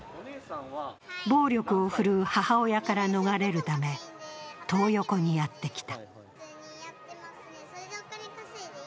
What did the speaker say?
暴力を振るう母親から逃れるため、トー横にやってきた。